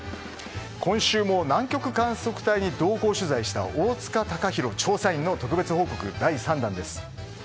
今週も南極観測隊に同行取材した大塚隆広調査員の特別報告第３弾です。